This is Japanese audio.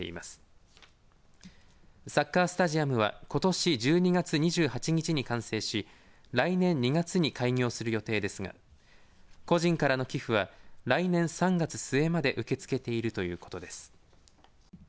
新サッカースタジアムはことし１２月２８日に完成し来年２月に開業する予定ですが個人からの寄付は来年３月末まで受け付けているということです。